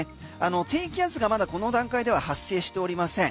低気圧がまだこの段階では発生しておりません。